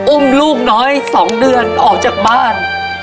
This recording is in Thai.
อุ้มลูกน้อย๒เดือนออกจากบ้าน